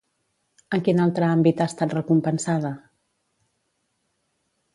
En quin altre àmbit ha estat recompensada?